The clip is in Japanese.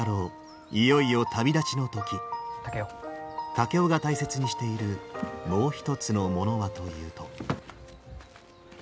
竹雄が大切にしているもう一つのものはというと。